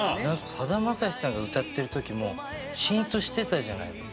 さだまさしさんが歌ってる時もシーンとしてたじゃないですか。